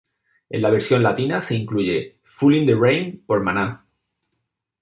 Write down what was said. En la versión latina, se incluye "Fool in the rain" por Maná.